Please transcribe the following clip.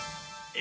え！